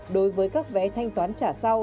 đối với các vé thanh toán trả sau